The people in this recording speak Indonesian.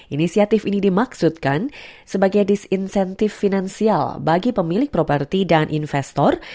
inisiatif ini dimaksudkan sebagai disinsentif finansial bagi pemilik properti dan investor